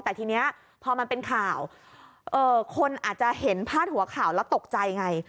แต่ทีนี้พอมันเป็นข่าวคนอาจจะเห็นพาดหัวข่าวแล้วตกใจไง